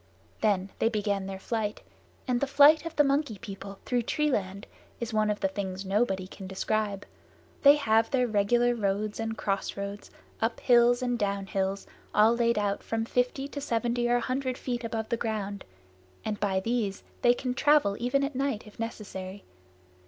Then they began their flight; and the flight of the Monkey People through tree land is one of the things nobody can describe. They have their regular roads and crossroads, up hills and down hills, all laid out from fifty to seventy or a hundred feet above ground, and by these they can travel even at night if necessary.